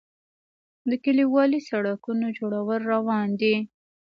د کلیوالي سړکونو جوړول روان دي